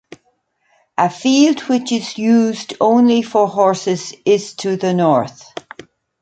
A field which is used only for horses is to the north.